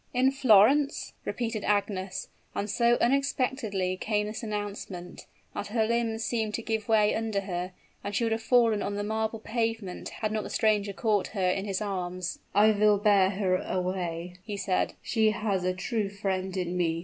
"In Florence!" repeated Agnes; and so unexpectedly came this announcement, that her limbs seemed to give way under her, and she would have fallen on the marble pavement, had not the stranger caught her in his arms. "I will bear her away," he said; "she has a true friend in me."